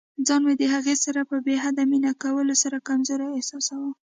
ځان مې د هغې سره په بې حده مینه کولو سره کمزوری احساساوه.